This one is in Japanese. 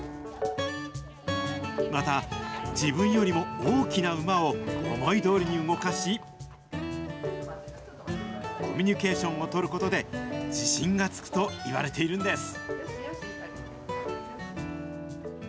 また、自分よりも大きな馬を思いどおりに動かし、コミュニケーションを取ることで、自信がつくといわれているんです。